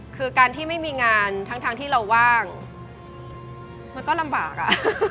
คือการที่ไม่มีงานทั้งที่เราว่างมันก็ลำบากอ่ะ